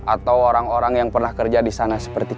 atau orang orang yang pernah kerja di sana seperti kita